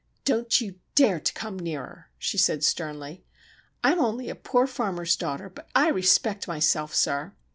"Don't you dare to come nearer!" she said sternly. "I'm only a poor farmer's daughter, but I respect myself, sir!